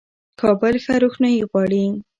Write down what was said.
کابل ښه روښنايي غواړي.